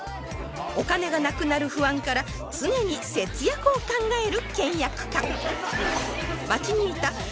お金がなくなる不安から常に節約を考える